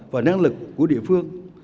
và năng lực của địa phương